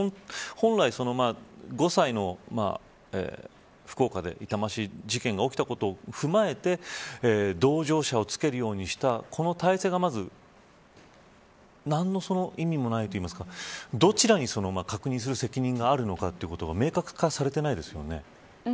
本来福岡で痛ましい事故が起きたことを踏まえて同乗者を付けるようにしたこの体制がまず何の意味もないといいますかどちらに確認する責任があるのか明確化されていないですよね。